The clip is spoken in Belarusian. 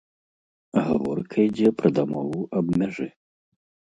Гаворка ідзе пра дамову аб мяжы.